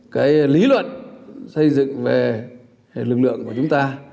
cái lý luận xây dựng về lực lượng của chúng ta